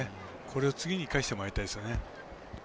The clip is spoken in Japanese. これを次に生かしてもらいたいですよね。